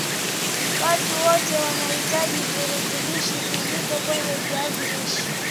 Watu wote wanahitaji virutubishi vilivyomo kwenye viazi lishe